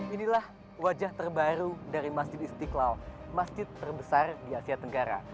inilah wajah terbaru dari masjid istiqlal masjid terbesar di asia tenggara